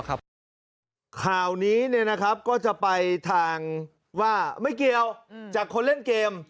ข่าวนี้ก็จะไปทางว่าไม่เกี่ยวจากคนเล่นเกม